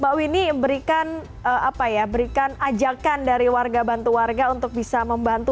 mbak winnie berikan apa ya berikan ajakan dari warga bantu warga untuk bisa membantu